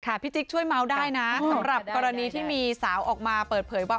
พี่จิ๊กช่วยเมาส์ได้นะสำหรับกรณีที่มีสาวออกมาเปิดเผยว่า